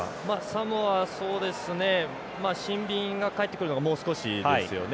サモアシンビンが帰ってくるのがもう少しですよね。